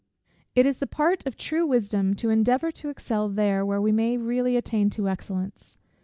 It is the part of true wisdom to endeavour to excel there, where we may really attain to excellence.